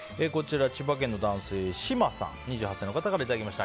千葉県の男性の２８歳の方からいただきました。